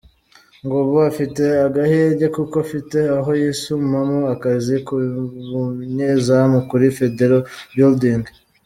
Ngo ubu afite agahenge kuko afite aho yisumamo akazi k’ubunyezamu kuri Federal Building.